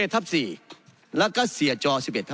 ๑๑๔และก็เสียจอ๑๑๕